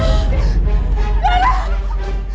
aduh bayi kita mak